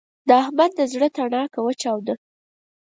د احمد د زړه تڼاکه وچاوده.